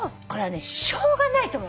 しょうがないと思うの私。